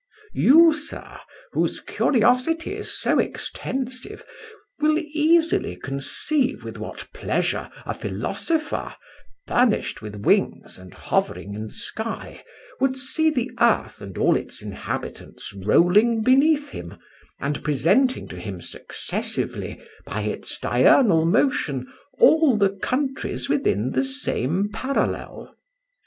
You, sir, whose curiosity is so extensive, will easily conceive with what pleasure a philosopher, furnished with wings and hovering in the sky, would see the earth and all its inhabitants rolling beneath him, and presenting to him successively, by its diurnal motion, all the countries within the same parallel.